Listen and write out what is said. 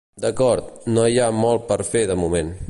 D'acord, no hi ha molt per fer de moment.